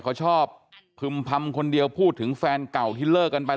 เขาชอบพึ่มพำคนเดียวพูดถึงแฟนเก่าที่เลิกกันไป